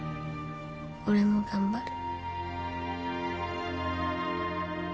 俺も頑張る。